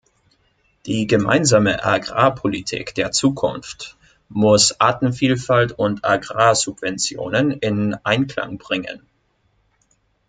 Die gemeinsame Agrarpolitik der Zukunft muss Artenvielfalt und Agrarsubventionen in Einklang bringen.